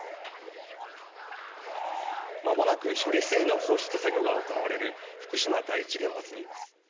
まもなく処理水の放出作業が行われる福島第一原発にいます。